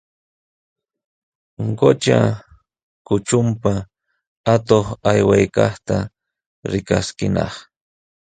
Qutra kutrunpa atuq aywaykaqta rikaskinaq.